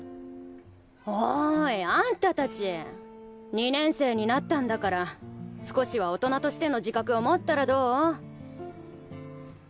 おいあんた達２年生になったんだから少しは大人としての自覚をもったらどう？